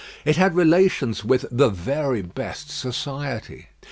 It had relations with "the very best society."